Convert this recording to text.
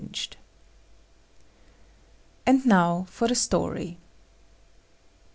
] And now for the story.